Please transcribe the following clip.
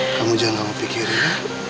kamu jangan kepikirin